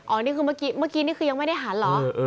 อ๋ออันนี้คือเมื่อกี้คือยังไม่ได้หันมะ